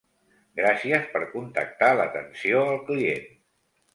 Gràcies per contactar l'atenció al client.